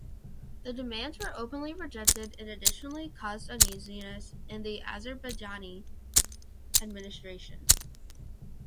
The demands were openly rejected and additionally caused uneasiness in the Azerbaijani administration.